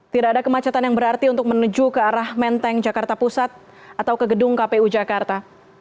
tidak ada kemacetan yang berarti untuk menuju ke arah menteng jakarta pusat atau ke gedung kpu jakarta